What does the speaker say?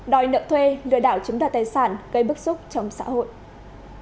đòi nợ thuê lừa đảo chiếm đoạt tài sản gây bức xúc trong xã hội